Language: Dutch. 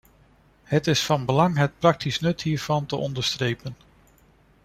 Het is van belang het praktisch nut hiervan te onderstrepen.